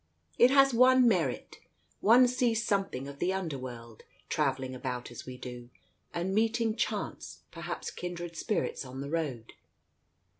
It has one merit ; one sees something of the under world, travel ling about as we do, and meeting chance, perhaps kindred spirits on the road.